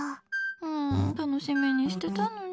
うーん、楽しみにしてたのに。